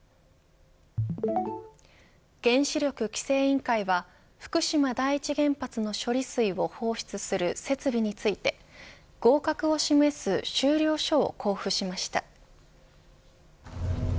原子力規制委員会は福島第一原発の処理水を放出する設備について合格を示す終了証を交付しました。